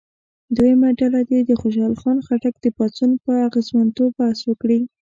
دویمه ډله دې د خوشحال خان خټک د پاڅون په اغېزمنتوب بحث وکړي.